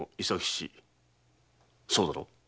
そうだろ？